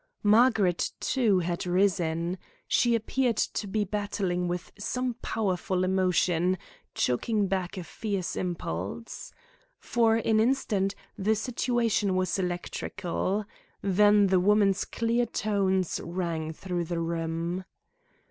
Margaret, too, had risen. She appeared to be battling with some powerful emotion, choking back a fierce impulse. For an instant the situation was electrical. Then the woman's clear tones rang through the room.